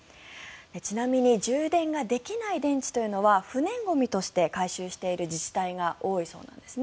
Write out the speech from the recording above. ちなみに充電ができない電池というのは不燃ゴミとして回収している自治体が多いそうなんです。